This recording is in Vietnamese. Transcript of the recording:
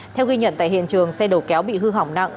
theo ghi nhận tại hiện trường xe đầu kéo bị hư hỏng nặng